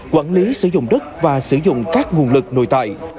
quản lý sử dụng đất và sử dụng các nguồn lực nội tại